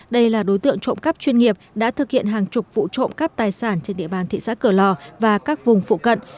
đây là đối tượng trộm cắp chuyên nghiệp đã thực hiện hàng chục vụ trộm cắp tài sản trên địa bàn thị xã cửa lò và các vùng phụ cận